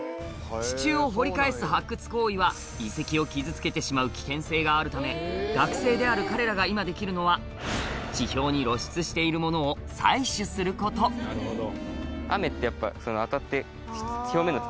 地中を掘り返す発掘行為は遺跡を傷つけてしまう危険性があるため学生である彼らが今できるのは地表に露出しているものを採取すること僕たちからすると。